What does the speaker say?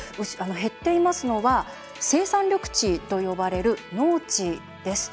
減っていますのは生産緑地と呼ばれる農地です。